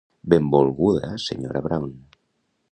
Benvolguda Sra. Brown.